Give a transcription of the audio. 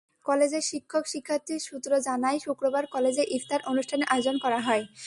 কলেজের শিক্ষক, শিক্ষার্থী সূত্র জানায়, শুক্রবার কলেজে ইফতার অনুষ্ঠানের আয়োজন করা হয়।